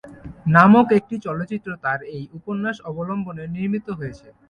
নামক একটি চলচ্চিত্র তার এই উপন্যাস অবলম্বনে নির্মিত হয়েছে।